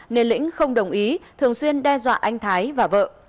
nên lĩnh không đồng ý thường xuyên đe dọa anh thái và vợ